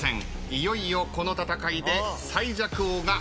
いよいよこの戦いで最弱王が決まります。